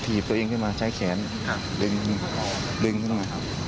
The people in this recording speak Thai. ถีบตัวเองขึ้นมาใช้แขนดึงดึงขึ้นมา